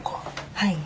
はい。